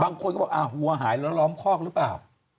บางคนก็บอกวัวหายแล้วล้อมคอกหรือเปล่า